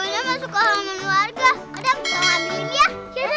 ya udah tunggu ya iya oke